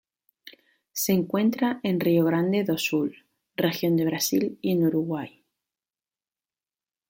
Se encuentra en Rio Grande do Sul región de Brasil y en Uruguay.